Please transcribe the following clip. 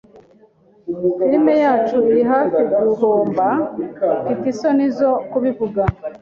Firime yacu iri hafi guhomba, mfite isoni zo kubivuga.